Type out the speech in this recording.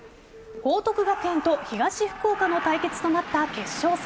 報徳学園と東福岡の対決となった決勝戦。